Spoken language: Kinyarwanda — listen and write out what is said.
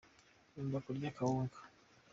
Nkunda kurya akawunga.